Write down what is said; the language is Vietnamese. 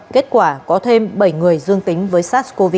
kết quả có thêm bảy người dương tính với sars cov hai